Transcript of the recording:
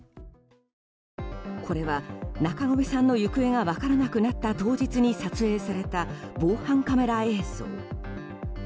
これは中込さんの行方が分からなくなった当日に撮影された防犯カメラ映像。